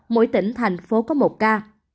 mỗi tỉnh thành phố có một ca